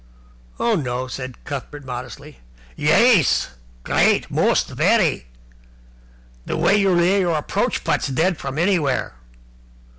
"Oh, no," said Cuthbert modestly. "Yais! Great. Most! Very! The way you lay your approach putts dead from anywhere!"